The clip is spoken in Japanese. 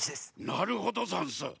なるほどざんす。